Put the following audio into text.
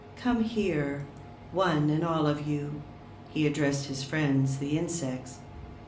"Come here, one and all of you," he addressed his friends, the insects.